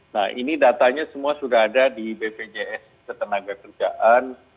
nah ini datanya semua sudah ada di bpjs ketenaga kerjaan